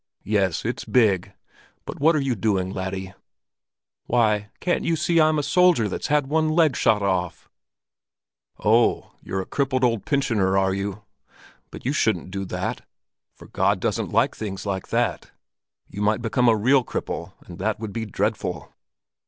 "Yes, it's big! But what are you doing, laddie?" "Why, can't you see I'm a soldier that's had one leg shot off?" "Oh, you're an old crippled pensioner, are you? But you shouldn't do that, for God doesn't like things like that. You might become a real cripple, and that would be dreadful."